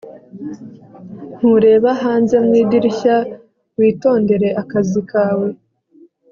ntureba hanze mu idirishya. witondere akazi kawe